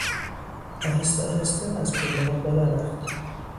آهستهآهسته از پلهها بالا رفت.